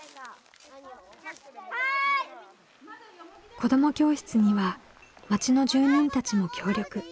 子ども教室には町の住人たちも協力。